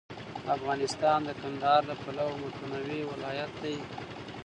افغانستان د کندهار له پلوه متنوع ولایت دی.